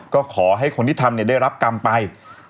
ก็ขอให้คนที่ทำได้รับกรรมไป